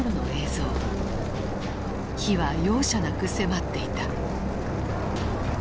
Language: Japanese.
火は容赦なく迫っていた。